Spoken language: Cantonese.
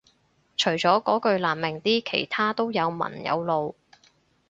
除咗嗰句難明啲其他都有文有路